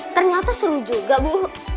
ternyata seru juga bu